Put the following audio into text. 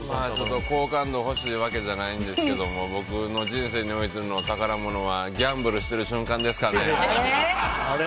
好感度欲しいわけじゃないんですけど僕の人生においての宝物はギャンブルしてる瞬間ですかね。